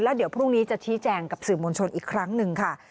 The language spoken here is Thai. เดี๋ยวพรุ่งนี้จะชี้แจงกับสื่อมวลชนอีกครั้งหนึ่งค่ะ